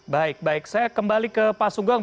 baik baik saya kembali ke pak sugeng